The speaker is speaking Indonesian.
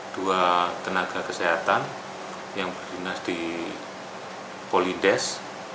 dua tenaga kesehatan yang berdinas di polides